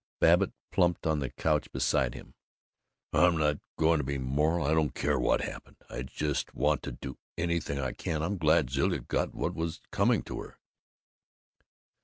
Babbitt plumped on the couch beside him. "I'm not going to be moral! I don't care what happened! I just want to do anything I can. I'm glad Zilla got what was coming to her."